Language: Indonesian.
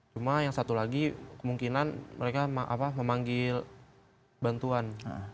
cuma yang satu lagi kemungkinan mereka memanggil bantuan